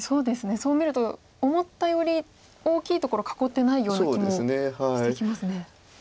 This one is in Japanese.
そう見ると思ったより大きいところ囲ってないような気もしてきますね。